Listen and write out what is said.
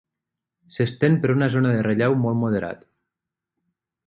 S'estén per una zona de relleu molt moderat.